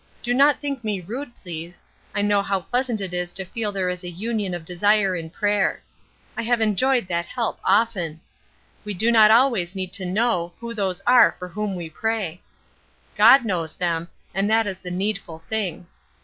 Do not think me rude, please. I know how pleasant it is to feel there is a union of desire in prayer. I have enjoyed that help often. We do not always need to know who those are for whom we pray. God knows them, and that is the needful thing.